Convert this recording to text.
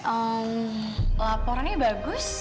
oh laporannya bagus